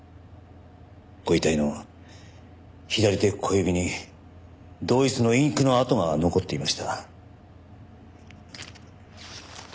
ご遺体の左手小指に同一のインクの跡が残っていました。